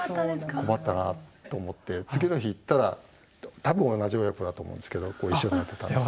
困ったなと思って次の日行ったら多分同じ親子だと思うんですけどこう一緒になってたんで。